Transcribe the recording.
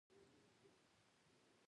هغه یو ښه سوداګر ده